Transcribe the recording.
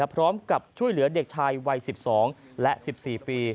พร้อมกับช่วยเหลือเด็กชายวัย๑๒และ๑๔ปี